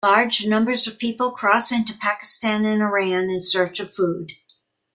Large numbers of people cross into Pakistan and Iran in search of food.